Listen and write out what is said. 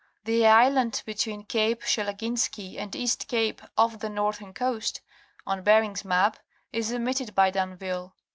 The island between Cape Shelaginski and East Cape off the northern coast, on Bering's map, is omitted by D'Anville.